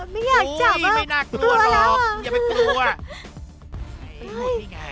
ไม่อยากจับอ่ะกลัวล่ะ